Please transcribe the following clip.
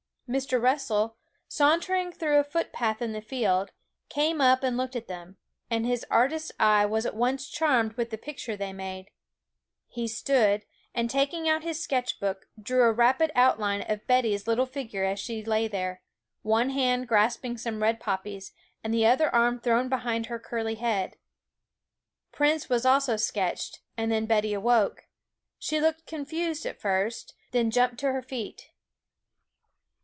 Mr. Russell, sauntering through a footpath in the field, came up and looked at them; and his artist's eye was at once charmed with the picture they made. He stood, and taking out his sketch book, drew a rapid outline of Betty's little figure as she lay there, one hand grasping some red poppies, and the other arm thrown behind her curly head. Prince was also sketched; and then Betty awoke. She looked confused at first, then jumped to her feet.